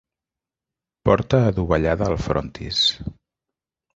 Porta adovellada al frontis.